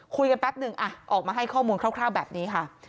คุยกันแปปนึงอ่ะออกมาให้ข้อมูลคร่าวแบบนี้ค่ะ